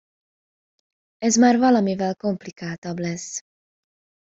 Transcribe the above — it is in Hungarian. Ez már valamivel komplikáltabb lesz!